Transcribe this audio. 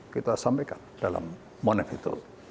kita sampaikan dalam monef itu